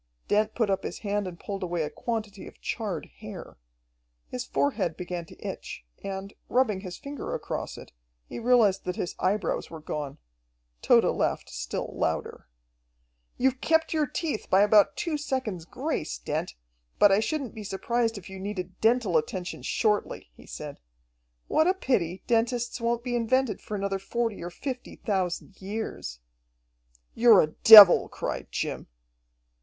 Dent put up his hand and pulled away a quantity of charred hair. His forehead began to itch, and, rubbing his finger across it, he realized that his eyebrows were gone. Tode laughed still louder. "You've kept your teeth by about two seconds' grace, Dent, but I shouldn't be surprised if you needed dental attention shortly," he said. "What a pity dentists won't be invented for another forty or fifty thousand years." "You're a devil!" cried Jim.